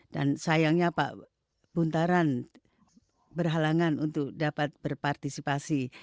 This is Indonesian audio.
dan sayangnya pak buntaran berhalangan untuk dapat berpartisipasi